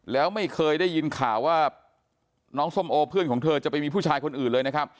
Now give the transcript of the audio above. แล้วไม่เคยได้ยินข่าวว่าน้องส้มโอเพื่อนของเธอจะไปมีผู้ชายคนอื่นเลยนะครับ